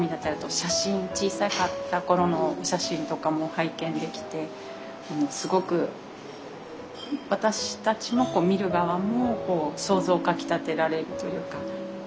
頃のお写真とかも拝見できてすごく私たちも見る側も想像かきたてられるというか。